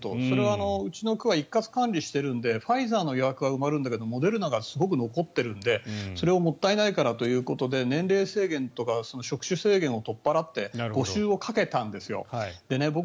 それはうちの区は一括管理しているのでファイザーの予約は埋まるけどモデルナは余っているのでそれをもったいないからということで年齢制限とか職種制限を取っ払って募集をかけたんですね。